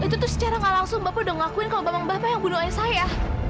itu tuh secara gak langsung bapak udah ngakuin kalau bapak yang bunuh ayah saya